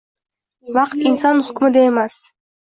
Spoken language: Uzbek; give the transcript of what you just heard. Vaqt inson hukmida emas